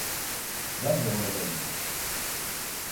Ben de oradaydım.